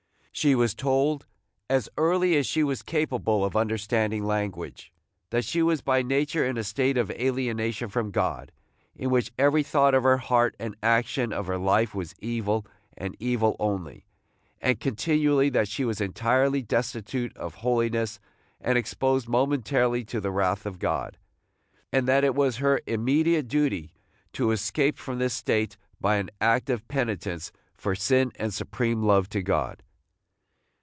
She was told, as early as she was capable of understanding language, that she was by nature in a state of alienation from God, in which every thought of her heart and action of her life was evil, and evil only; and continually that she was entirely destitute of holiness and exposed momently to the wrath of God; and that it was her immediate duty to escape from this state by an act of penitence for sin and supreme love to God.